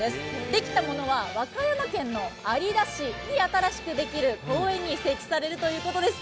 できたものは和歌山県の有田市に新しくできる公園に設置されるということです。